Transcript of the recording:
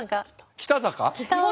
北坂？